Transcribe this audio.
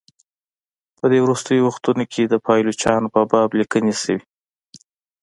په دې وروستیو وختونو کې د پایلوچانو په باب لیکني شوي.